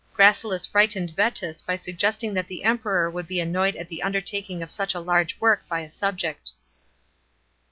Gracilis frightened Vetus by suggesting that the Emperor would be annoyed at the undertaking of such a large work by a subject.